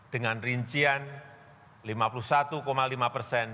dengan rincian lima puluh satu lima persen